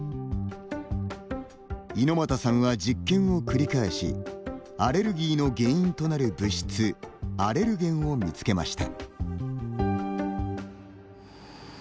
猪又さんは実験を繰り返しアレルギーの原因となる物質アレルゲンを見つけました。